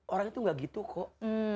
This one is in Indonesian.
orang itu gak gitu kok